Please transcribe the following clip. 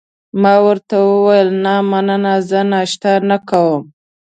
ما ورته وویل: نه، مننه، زه ناشته نه کوم.